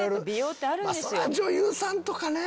そりゃ女優さんとかね